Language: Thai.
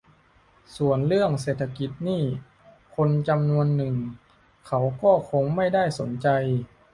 ส่วนเรื่องเศรษฐกิจนี่ คนจำนวนหนึ่งเขาก็คงไม่ได้สนใจ